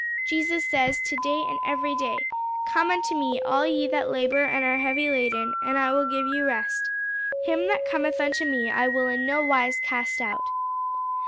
Jesus says, to day and every day, 'Come unto me, all ye that labor and are heavy laden, and I will give you rest.' 'Him that cometh unto me, I will in no wise cast out.'"